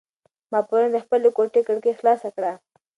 ما پرون د خپلې کوټې کړکۍ خلاصه کړه.